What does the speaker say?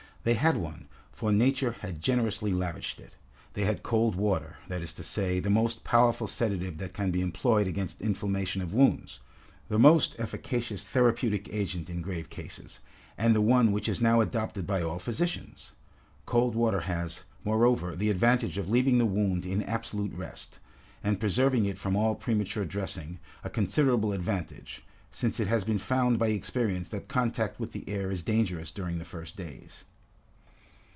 They had one, for nature had generously lavished it. They had cold water, that is to say, the most powerful sedative that can be employed against inflammation of wounds, the most efficacious therapeutic agent in grave cases, and the one which is now adopted by all physicians. Cold water has, moreover, the advantage of leaving the wound in absolute rest, and preserving it from all premature dressing, a considerable advantage, since it has been found by experience that contact with the air is dangerous during the first days.